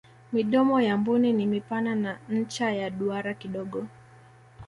midomo ya mbuni ni mipana na ncha ya duara kidogo